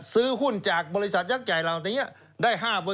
ซื้อหุ้นจากบริษัทยักษ์ใหญ่เหล่านี้ได้๕